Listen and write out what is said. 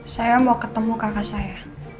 saya mau ketemu kakak saya